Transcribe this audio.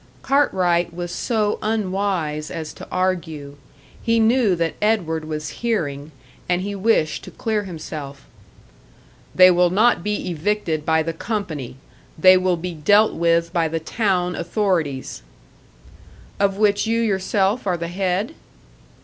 Cartwright was so unwise as to argue. He knew that Edward was hearing, and he wished to clear himself. "They will not be evicted by the company. They will be dealt with by the town authorities." "Of which you yourself are the head?"